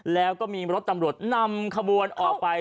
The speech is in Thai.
แล้วก็มีรถตำรวจนำขบวนออกไป